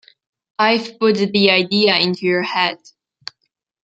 I've put the idea into your head.